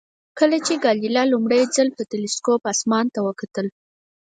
کله چې ګالیله لومړی ځل په تلسکوپ اسمان ته وکتل.